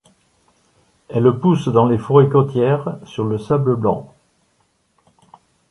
Elle pousse dans les forêts côtières, sur le sable blanc.